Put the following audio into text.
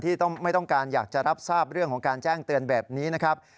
ไม่ต้องการอยากจะรับทราบเรื่องของการแจ้งเตือนแบบนี้นะครับ